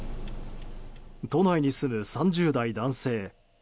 都内に住む３０代男性。